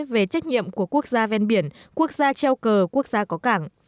về trách nhiệm của quốc gia ven biển quốc gia treo cờ quốc gia có cảng